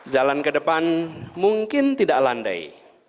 jalan ke depan mungkin tidak landai